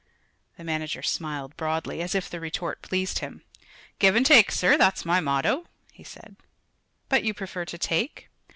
The manager smiled broadly, as if the retort pleased him. "Give an' take, sir; that's my motto," he said. "But you prefer to take?"